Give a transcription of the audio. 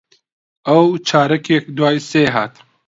ئەو چارەکێک دوای سێ دێت.